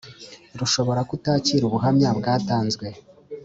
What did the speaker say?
Rushobora kutakira ubuhamya bwatanzwe